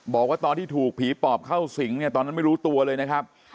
บอกว่าตอนที่ถูกผีปอบเข้าสิงเนี่ยตอนนั้นไม่รู้ตัวเลยนะครับ